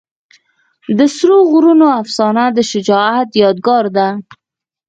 د سرو غرونو افسانه د شجاعت یادګار ده.